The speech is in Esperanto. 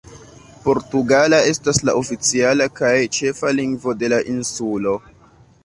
Portugala estas la oficiala kaj ĉefa lingvo de la insulo.